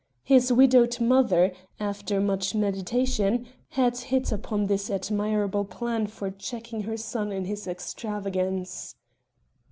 His widowed mother, after much meditation, had hit upon this admirable plan for checking her son in his extravagance.